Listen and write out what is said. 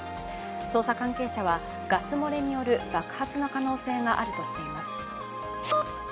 捜査関係者は、ガス漏れによる爆発の可能性があるとしています。